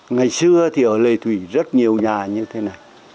ngày xưa thì ở lệ thủy rất nhiều nhà như thế này